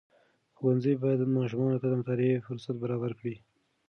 ښوونځي باید ماشومانو ته د مطالعې فرصت برابر کړي.